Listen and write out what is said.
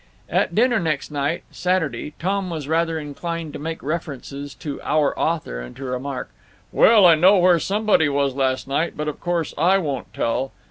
At dinner next night—Saturday—Tom was rather inclined to make references to "our author," and to remark: "Well, I know where somebody was last night, but of course I won't tell.